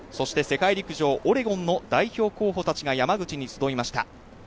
世界陸上オレゴンの代表候補たちが山口に集いました。